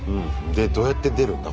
でどうやって出るんだ？